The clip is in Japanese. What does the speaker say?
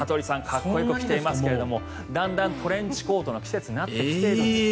かっこよく着ていますがだんだんトレンチコートの季節になってきているんです。